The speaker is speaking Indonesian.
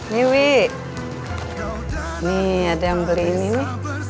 nih ada yang beli ini